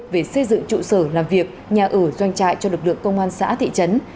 về xây dựng trụ sở làm việc nhà ở doanh trại cho lực lượng công an xã thị trấn